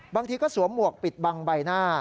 บางทีก็สวมหมวกปิดบังใบหน้า